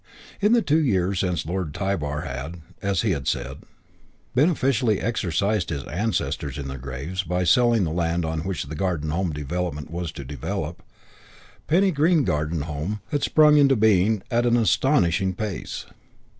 In the two years since Lord Tybar had, as he had said, beneficially exercised his ancestors in their graves by selling the land on which the Garden Home Development was to develop, Penny Green Garden Home had sprung into being at an astonishing pace.